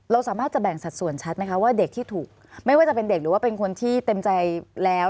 เราสามารถจะแบ่งสัดส่วนชัดไหมคะว่าเด็กที่ถูกไม่ว่าจะเป็นเด็กหรือว่าเป็นคนที่เต็มใจแล้ว